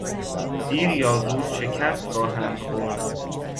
دیر یا زود شکست خواهند خورد.